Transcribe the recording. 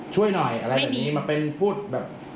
ช่วยหน่อยอะไรแบบนี้มาเป็นพูดแบบ